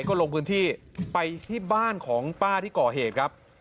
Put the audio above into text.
ก็ลงพื้นที่ไปที่บ้านของป้าที่ก่อเหตุครับ